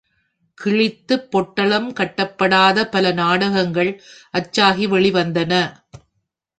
கிழித்துப் பொட்டலம் கட்டப்படாத பல நாடகங்கள் அச்சாகி வெளிவந்தன.